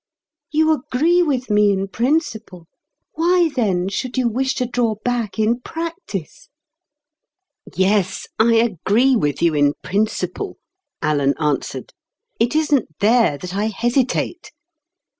You agree with me in principle. Why then, should you wish to draw back in practice?" "Yes, I agree with you in principle," Alan answered. "It isn't there that I hesitate.